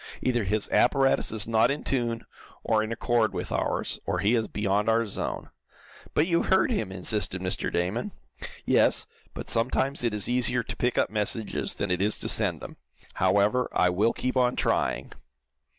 Either his apparatus is not in tune, or in accord with ours, or he is beyond our zone." "But you heard him," insisted Mr. Damon. "Yes, but sometimes it is easier to pick up messages than it is to send them. However, I will keep on trying."